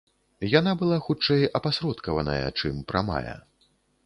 Яна была, хутчэй, апасродкаваная, чым прамая.